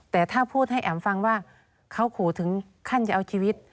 แต่ถ้าพูดให้แอ๋มฟังว่าเขาขู่ถึงขั้นจะเอาชีวิต